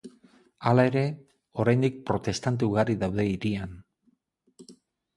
Hala ere, oraindik protestante ugari daude hirian.